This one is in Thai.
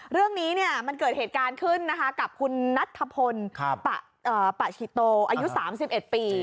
เรื่องนี้มันเกิดเหตุการณ์ขึ้นนะคะกับคุณนัทธพลปะชิโตอายุ๓๑ปี